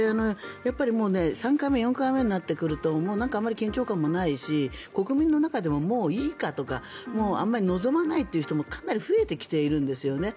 ３回目、４回目になってくるとあまり緊張感もないし国民の中でも、もういいかとかもうあまり望まないという人がかなり増えてきているんですよね。